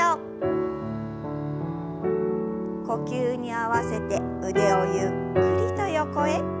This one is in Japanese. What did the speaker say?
呼吸に合わせて腕をゆっくりと横へ。